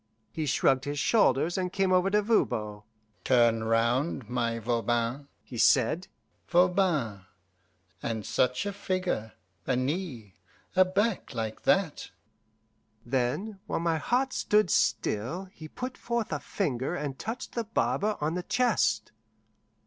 He shrugged his shoulders and came over to Voban. "Turn round, my Voban," he said. "Voban and such a figure! a knee, a back like that!" Then, while my heart stood still, he put forth a finger and touched the barber on the chest.